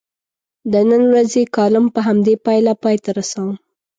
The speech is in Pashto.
د نن ورځې کالم په همدې پایله پای ته رسوم.